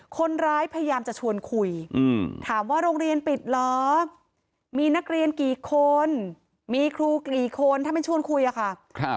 พยายามจะชวนคุยถามว่าโรงเรียนปิดเหรอมีนักเรียนกี่คนมีครูกี่คนถ้าไม่ชวนคุยอะค่ะ